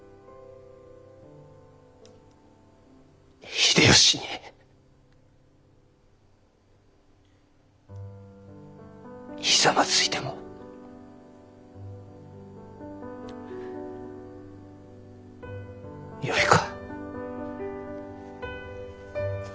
秀吉にひざまずいてもよいか？